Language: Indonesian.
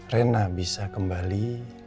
rina bisa kembali